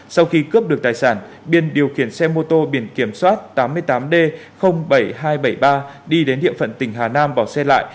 sau khi cướp được tài sản biên điều khiển xe mô tô biển kiểm soát tám mươi tám d bảy nghìn hai trăm bảy mươi ba đi đến địa phận tỉnh hà nam bỏ xe lại